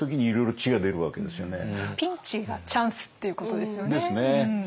ピンチがチャンスっていうことですよね。